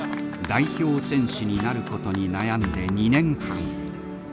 代表選手になることに悩んで２年半。